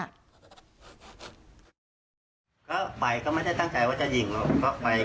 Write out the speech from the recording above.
ถ้าเขายอมรับความจริงมั้งก็โอเคก็ไม่ได้อะไรแล้ว